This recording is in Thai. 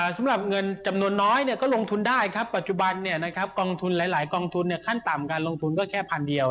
สำหรับเงินจำนวนน้อยก็ลงทุนได้ครับปัจจุบันกองทุนหลายกองทุนขั้นต่ำการลงทุนก็แค่พันเดียว